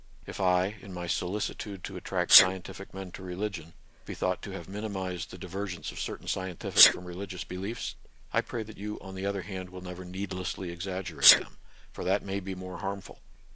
If I, in my solicitude to attract scientific men to religion, be thought to have minimized the divergence of certain scientific from religious beliefs, I pray that you on the other hand will never needlessly exaggerate them ; for that may be more harmful.